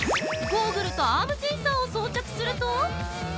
ゴーグルとアームセンサーを装着すると◆